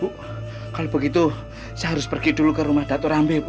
bu kalau begitu saya harus pergi dulu ke rumah dato rambi bu